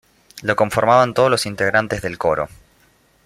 Lo conformaban todos los integrantes del coro".